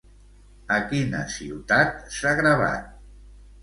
A quina ciutat s'ha gravat?